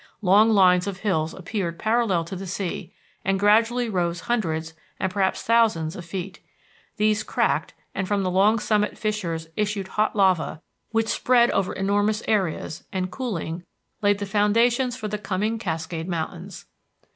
Long lines of hills appeared parallel to the sea, and gradually rose hundreds, and perhaps thousands, of feet. These cracked, and from the long summit fissures issued hot lava, which spread over enormous areas and, cooling, laid the foundations for the coming Cascade Mountains.